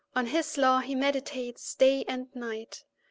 On his law he meditates day and night.